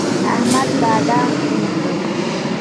احمد بادام سپين کړل.